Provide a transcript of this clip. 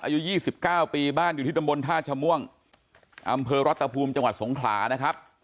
อายุ๒๙ปีบ้านอยู่ที่ตำบลท่าชะม่วงอำเภอรัตภูมิจังหวัดสงขลานะครับ